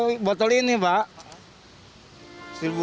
kalau botol ini pak rp satu tujuh ratus